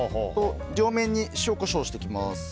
両面に塩、コショウしていきます。